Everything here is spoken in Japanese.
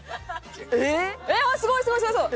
すごいすごいすごいすごい！